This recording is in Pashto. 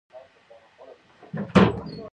د چابهار بندر سوداګریزه لاره ده